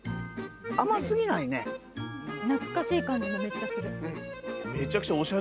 懐かしい感じもめっちゃする。